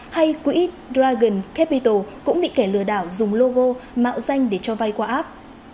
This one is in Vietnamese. hay quỹ dragon capital cũng bị kẻ lừa đảo dùng logo mạo danh để cho vay qua app